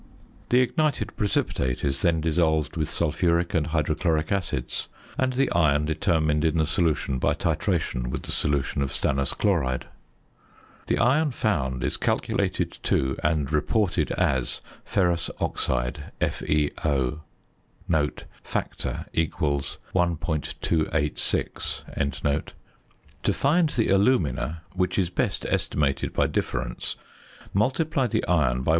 The ignited precipitate is then dissolved with sulphuric and hydrochloric acids; and the iron determined in the solution by titration with the solution of stannous chloride. The iron found is calculated to and reported as ferrous oxide, FeO (factor = 1.286). To find the alumina, which is best estimated by difference, multiply the iron by 1.